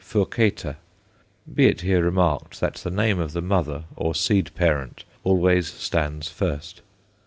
furcata_; be it here remarked that the name of the mother, or seed parent, always stands first.